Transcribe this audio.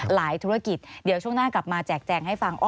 ธุรกิจเดี๋ยวช่วงหน้ากลับมาแจกแจงให้ฟัง